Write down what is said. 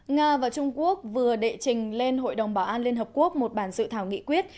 nga và trung quốc vừa đệ trình lên hội đồng bảo an liên hợp quốc một bản dự thảo nghị quyết